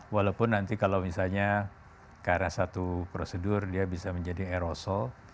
walaupun nanti kalau misalnya karena satu prosedur dia bisa menjadi aerosol